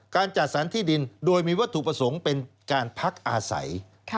การจัดสรรที่ดินโดยมีวัตถุประสงค์เป็นการพักอาศัย